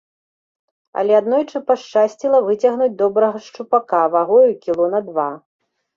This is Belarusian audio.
Але аднойчы пашчасціла выцягнуць добрага шчупака, вагою кіло на два.